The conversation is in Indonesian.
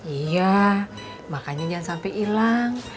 iya makanya jangan sampe ilang